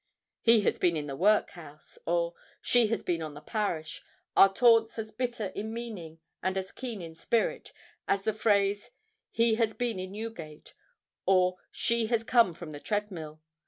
"He has been in the workhouse," or "She has been on the parish," are taunts as bitter in meaning and as keen in spirit, as the phrase "He has been in Newgate," or "She has just come from the treadmill."